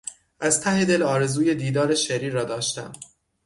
از ته دل آرزوی دیدار شری را داشتم.